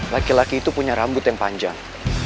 laki laki itu punya rambut yang panjang